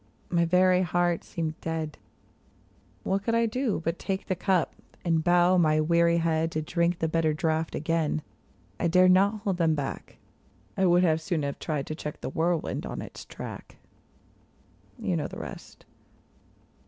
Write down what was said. My very heart seemed dead. What could I do but take the cup, and bow my weary head ^i To drink the bitter draught again ? I dared not hold them back ; I would as soon have tried to check the whirlwind on its track. You know the rest.